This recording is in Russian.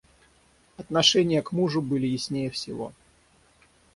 Отношения к мужу были яснее всего.